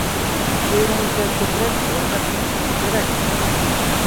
سىز ئېرىڭىزگە كۆپرەك ھۆرمەت قىلىشىڭىز كېرەك.